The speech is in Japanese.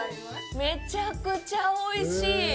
めちゃくちゃおいしい。